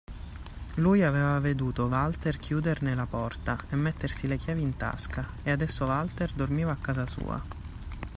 Lui aveva veduto Walter chiuderne la porta e mettersi le chiavi in tasca e adesso Walter dormiva a casa sua.